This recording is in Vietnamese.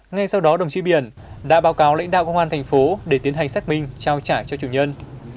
ngay sau đó đồng chí biển đã báo cáo lãnh đạo công an thành phố để tiến hành xác minh trao trả cho chủ nhân